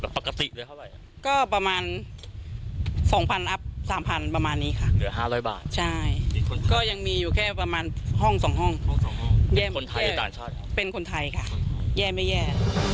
เป็นคนไทยค่ะแย่มั้ยแย่